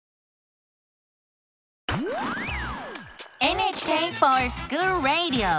「ＮＨＫｆｏｒＳｃｈｏｏｌＲａｄｉｏ」！